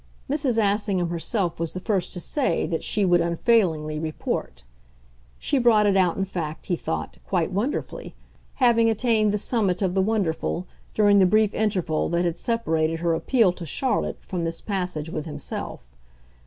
Mrs. Assingham herself was the first to say that she would unfailingly "report"; she brought it out in fact, he thought, quite wonderfully having attained the summit of the wonderful during the brief interval that had separated her appeal to Charlotte from this passage with himself.